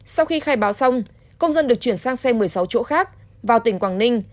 sau khi khai báo xong công dân được chuyển sang xe một mươi sáu chỗ khác vào tỉnh quảng ninh